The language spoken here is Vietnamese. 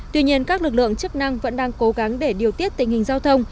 tuy nhiên các lực lượng chức năng vẫn đang cố gắng để điều tiết tình hình giao thông